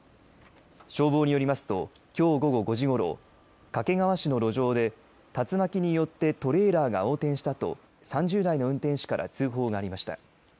消防によりますときょう午後５時ごろ掛川市の路上で竜巻によってトレーラーが横転したと３０代の運転手から通報がありました。